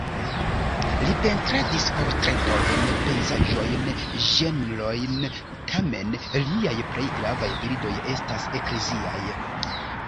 Li pentradis portretojn, pejzaĝojn, ĝenrojn, tamen liaj plej gravaj bildoj estas ekleziaj.